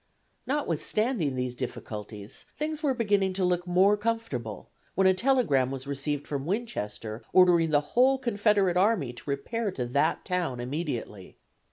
Notwithstanding these difficulties things were beginning to look more comfortable, when a telegram was received from Winchester ordering the whole Confederate Army to repair to that town immediately.